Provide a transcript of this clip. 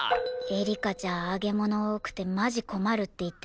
エリカちゃん揚げ物多くてマジ困るって言ってたよ？